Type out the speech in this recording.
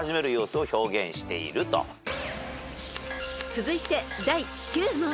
［続いて第９問］